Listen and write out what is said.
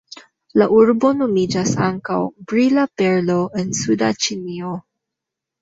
La urbo nomiĝas ankaŭ "Brila Perlo en Suda Ĉinio".